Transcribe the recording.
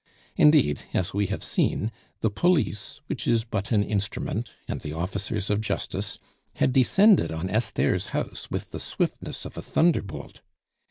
Indeed, as we have seen the police, which is but an instrument, and the officers of justice had descended on Esther's house with the swiftness of a thunderbolt.